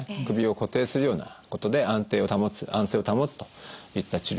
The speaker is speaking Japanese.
首を固定するようなことで安定を保つ安静を保つといった治療。